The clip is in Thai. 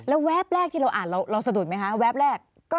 แล้วแวบแรกที่เราอ่านเราสะดุดไหมคะแวบแรก